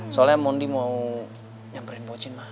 soalnya mondi mau nyamperin pocin mah